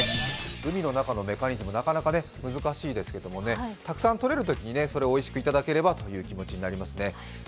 海の中のメカニズム、なかなか難しいですけど、たくさんとれるときにそれをおいしくいただければという気持ちになりますね。